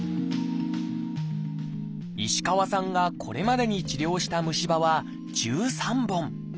石川さんがこれまでに治療した虫歯は１３本。